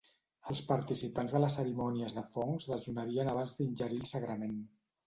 Els participants de les cerimònies de fongs dejunarien abans d'ingerir el sagrament.